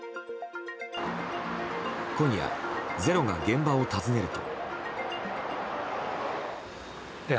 今夜、「ｚｅｒｏ」が現場を訪ねると。